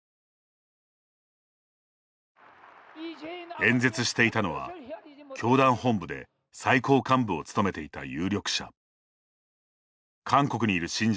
演説していたのは、教団本部で最高幹部を務めていた有力者。